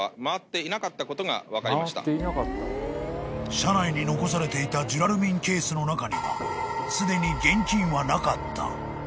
［車内に残されていたジュラルミンケースの中にはすでに現金はなかった］